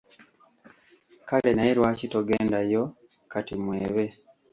Kale naye lwaki togenda yo kati Mwebe?